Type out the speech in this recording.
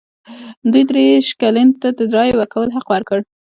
دوه دیرش کلنو ښځو ته د رایې ورکولو حق ورکړ.